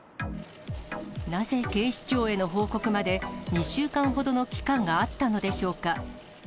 なぜ警視庁への報告まで２週間ほどの期間があったのでしょうか。